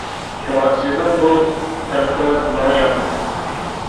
شۇڭا سىزنىڭ بۇ قىلىقىڭىز ماڭا ياقمىدى.